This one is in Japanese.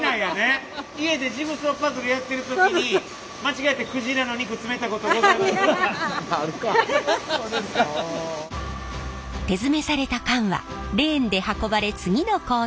家でジグソーパズルやってる時に手詰めされた缶はレーンで運ばれ次の工程へ。